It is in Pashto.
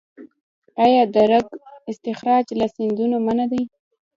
آیا د ریګ استخراج له سیندونو منع دی؟